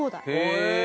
へえ！